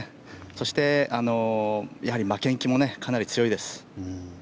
そして負けん気もかなり強いです。